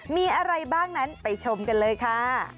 มีอะไรบ้างนั้นไปชมกันเลยค่ะ